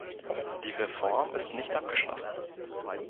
Die Reform ist nicht abgeschlossen.